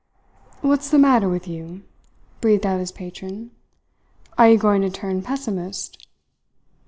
"What's the matter with you?" breathed out his patron. "Are you going to turn pessimist?"